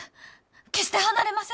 決して離れません！